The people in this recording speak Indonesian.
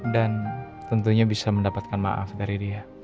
dan tentunya bisa mendapatkan maaf dari dia